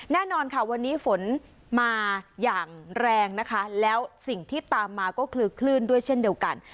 แน่นอนค่ะวันนี้ฝนมาอย่างแรงนะคะแล้วสิ่งที่ตามมาก็คือคลื่นด้วยเช่นเดียวกัน